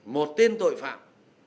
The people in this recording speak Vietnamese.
một tiên tội phạm